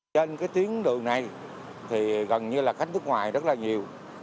trên cái tuyến đường này thì gần như là khách nước ngoài rất là nhiều